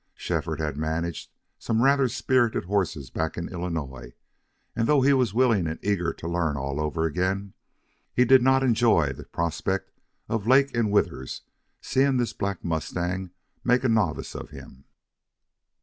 Shefford had managed some rather spirited horses back in Illinois; and though he was willing and eager to learn all over again, he did not enjoy the prospect of Lake and Withers seeing this black mustang make a novice of him.